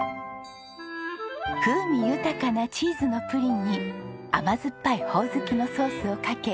風味豊かなチーズのプリンに甘酸っぱいホオズキのソースをかけ